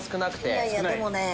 いやいやでもね。